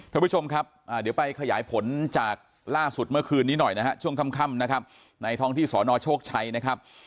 ท่านผู้ชมครับเดี๋ยวไปขยายผลจากล่าสุดเมื่อคืนนี้หน่อยนะฮะช่วงค่ำนะครับในท้องที่สนโชคชัยนะครับ